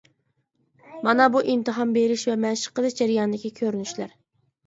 مانا بۇ ئىمتىھان بېرىش ۋە مەشىق قىلىش جەريانىدىكى كۆرۈنۈشلەر.